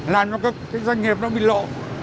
làm cho cái doanh nghiệp nó bị lỗ